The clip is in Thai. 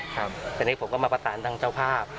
จะให้ผมก็มาประสานทางเจ้าภาพ